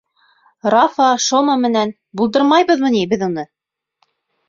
Рафа, Шома менән булдырмайбыҙмы ни беҙ уны?